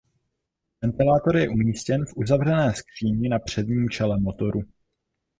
Ventilátor je umístěn v uzavřené skříni na předním čele motoru.